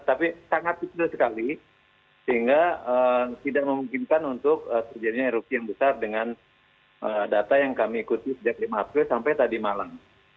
tapi sangat kecil sekali sehingga tidak memungkinkan untuk terjadinya erupsi yang besar dengan data yang kami ikuti sejak lima april sampai tadi malam